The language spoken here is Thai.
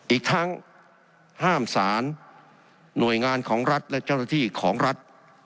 อีกทั้งห้ามสารหน่วยงานของรัฐและเจ้าหน้าที่ของรัฐ